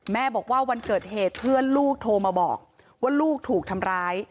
แม่บอกว่าวันเกิดเหตุเพื่อนลูกโทรมาบอกว่าลูกถูกทำร้าย